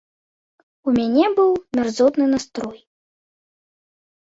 У мяне быў мярзотны настрой.